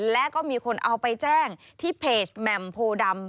และก็มีคนเอาไปแจ้งที่เพจแหม่มโพดำ